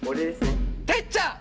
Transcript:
てっちゃん！